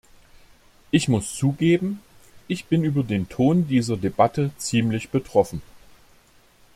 Ich muss zugeben, ich bin über den Ton dieser Debatte ziemlich betroffen.